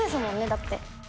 だって。